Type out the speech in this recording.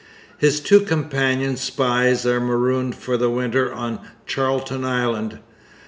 His two companion spies are marooned for the winter on Charlton Island.